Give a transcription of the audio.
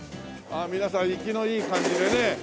皆さん生きのいい感じでね。